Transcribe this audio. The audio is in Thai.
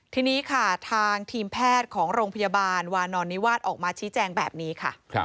ทีนี้ค่ะทางทีมแพทย์ของโรงพยาบาลวานอนนิวาสออกมาชี้แจงแบบนี้ค่ะ